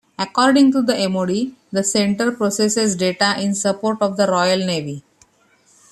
According to the MoD, the centre "processes data in support of the Royal Navy".